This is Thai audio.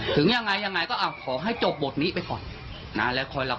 ถึงยังไงยังไงก็อ่ะขอให้จบบทนี้ไปก่อนนะแล้วคอยรับ